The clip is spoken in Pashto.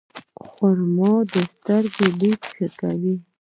خرما د سترګو لید ښه کوي.